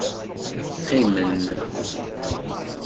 Qqimen.